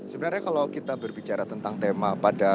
sebenarnya kalau kita berbicara tentang tema pada